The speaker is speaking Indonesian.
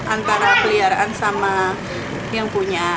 antara peliharaan sama yang punya